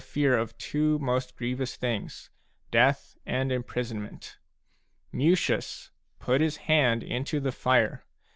fear of two most grievous things, death and imprison ment. Mucius put his hand into the fire.